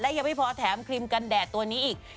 ยังไม่พอแถมครีมกันแดดตัวนี้อีก